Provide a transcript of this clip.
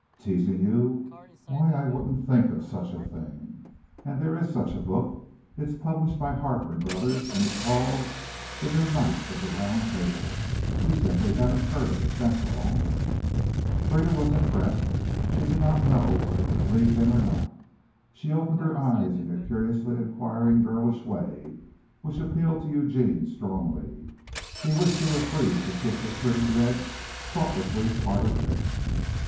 "Teasing you? Why I wouldn't think of such a thing. And there is such a book. It's published by Harper and Brothers and is called 'The New Knights of the Round Table.' You simply haven't heard of it, that's all." Frieda was impressed. She didn't know whether to believe him or not. She opened her eyes in a curiously inquiring girlish way which appealed to Eugene strongly. He wished he were free to kiss her pretty, red, thoughtlessly parted lips.